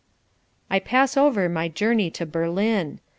I pass over my journey to Berlin.